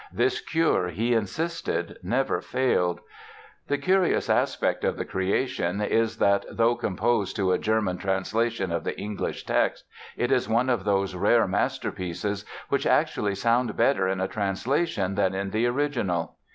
This cure, he insisted, never failed. The curious aspect of "The Creation" is that, though composed to a German translation of the English text, it is one of those rare masterpieces which actually sound better in a translation than in the original.